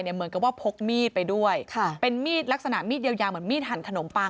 เหมือนกับว่าพกมีดไปด้วยค่ะเป็นมีดลักษณะมีดยาวเหมือนมีดหั่นขนมปัง